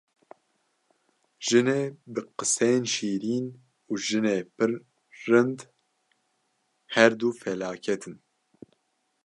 Jinê bi qisên şîrîn û jinê pir rind her du felaket in.